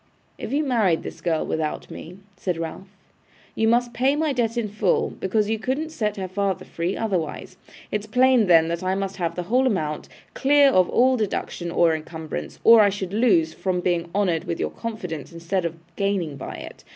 'If you married this girl without me,' said Ralph, 'you must pay my debt in full, because you couldn't set her father free otherwise. It's plain, then, that I must have the whole amount, clear of all deduction or incumbrance, or I should lose from being honoured with your confidence, instead of gaining by it.